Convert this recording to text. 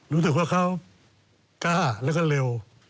รู้สึกว่าเขากล้าแล้วก็เร็ว